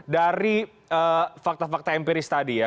dari fakta fakta empiris tadi ya